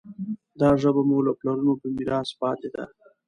دا ژبه مو له پلرونو په میراث پاتې ده.